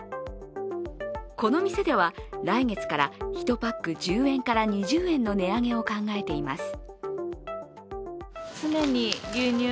この店では来月から１パック１０円から２０円の値上げを考えています。